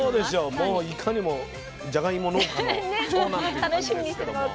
もういかにもじゃがいも農家の長男という感じですけども。